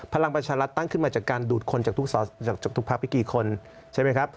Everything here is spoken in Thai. พลังประชารัฐตั้งขึ้นมาจากการดูดคนจากทุกพักไปกี่คนใช่ไหมครับ